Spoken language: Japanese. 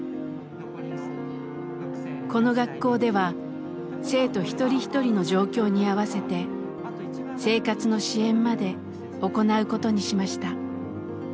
この学校では生徒一人一人の状況に合わせて生活の支援まで行うことにしました。